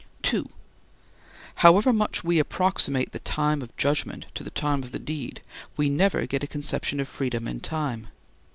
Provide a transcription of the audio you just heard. (2) However much we approximate the time of judgment to the time of the deed, we never get a conception of freedom in time.